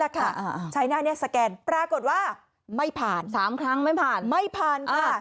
ใช้หน้านี้สแกนปรากฏว่าไม่ผ่าน๓ครั้งไม่ผ่านไม่ผ่านค่ะ